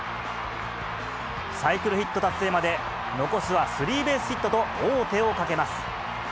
サイクルヒット達成まで、残すはスリーベースヒットと、王手をかけます。